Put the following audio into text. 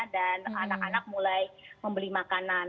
dan anak anak mulai membeli makanan